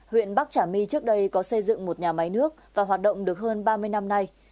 huyện bắc trà my trước đây có xây dựng một nhà máy nước và hoạt động được hơn ba mươi năm nay